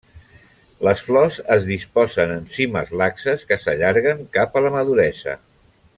Les flors es disposen en cimes laxes que s'allarguen cap a la maduresa.